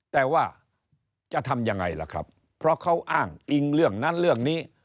แต่ว่าจะทำยังไงล่ะครับเพราะเขาอ้างอิงเรื่องนั้นเรื่องนี้